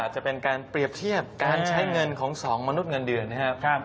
จะเป็นการเปรียบเทียบการใช้เงินของ๒มนุษย์เงินเดือนนะครับ